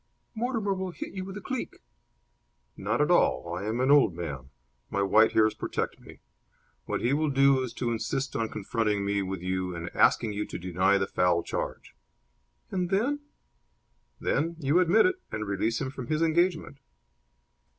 "Mortimer will hit you with a cleek." "Not at all. I am an old man. My white hairs protect me. What he will do is to insist on confronting me with you and asking you to deny the foul charge." "And then?" "Then you admit it and release him from his engagement."